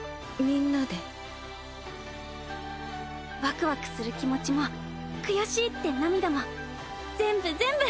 ワクワクする気持ちも悔しいって涙も全部全部。